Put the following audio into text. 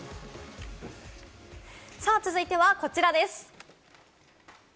続いてはこちらです。